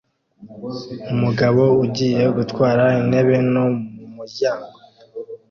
Umugabo ugiye gutwara intebe nto mumuryango